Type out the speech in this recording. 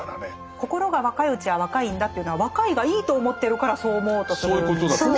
心が若いうちは若いんだっていうのは若いがいいと思ってるからそう思おうとするんですね。